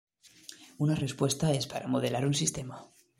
Una respuesta es para modelar un sistema.